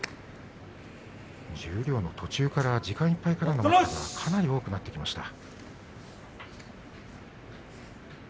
十両の途中から時間いっぱいからの待ったがかなり多くなってきました。